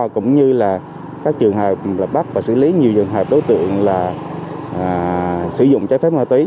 cũng như là các trường hợp bắt và xử lý nhiều trường hợp đối tượng là sử dụng trái phép ma túy